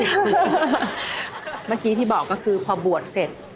เมื่อกี้ที่บอกก็คือพอบวชเสร็จ